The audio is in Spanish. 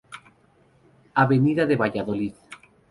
Avenida de Valladolid.